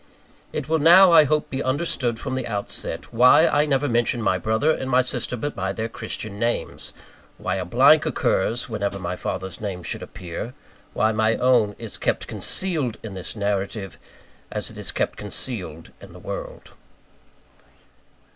It will now, I hope, be understood from the outset, why I never mention my brother and sister but by their Christian names; why a blank occurs wherever my father's name should appear; why my own is kept concealed in this narrative, as it is kept concealed in the world.